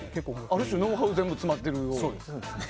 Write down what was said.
ある種、ノウハウが全部詰まっているという。